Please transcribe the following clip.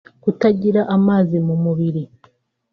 kutagira amazi mu mubiri